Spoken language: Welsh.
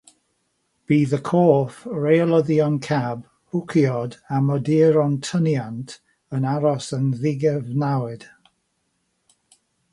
Bydd y corff, rheolyddion cab, bwcïod, a moduron tyniant yn aros yn ddigyfnewid.